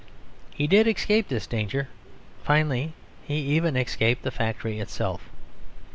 He did escape this danger; finally he even escaped the factory itself.